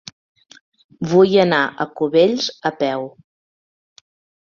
Vull anar a Cubells a peu.